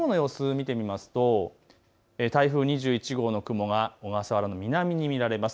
雲の様子を見てみますと台風２１号の雲が小笠原の南に見られます。